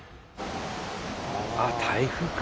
あっ台風か。